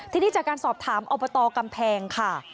ทีนี้จากการสอบถามอบตกำแพงค่ะ